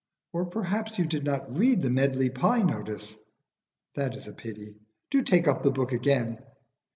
"Or perhaps you did not read the 'Medley Pie' notice? That is a pity. Do take up the book again.